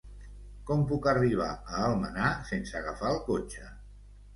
Com puc arribar a Almenar sense agafar el cotxe?